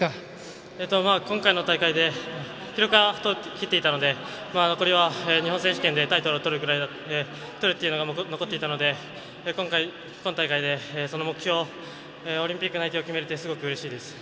今回の大会で記録は切っていたのでこれは日本選手権でタイトルを取るっていうのが残っていたので今大会で、その目標オリンピック内定を決められてすごくうれしいです。